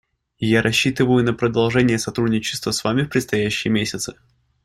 Я рассчитываю на продолжение сотрудничества с Вами в предстоящие месяцы.